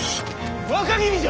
若君じゃ！